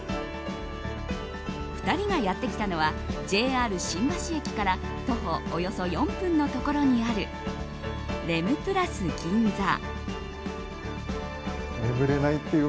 ２人がやってきたのはＪＲ新橋駅から徒歩およそ４分のところにあるレムプラス銀座。